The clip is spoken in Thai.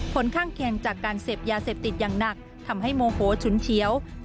ผลข้างเคียงจากการเสพยาเสพติดอย่างหนักทำให้โมโหฉุนเฉียว